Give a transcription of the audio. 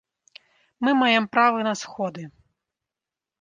Мы маем права на сходы.